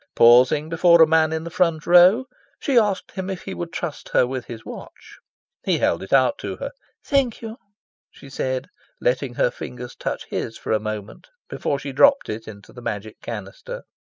Pausing before a man in the front row, she asked him if he would trust her with his watch. He held it out to her. "Thank you," she said, letting her fingers touch his for a moment before she dropped it into the Magic Canister.